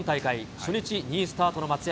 初日２位スタートの松山。